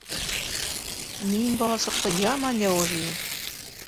— Мин бала саҡта яман яуыз инем.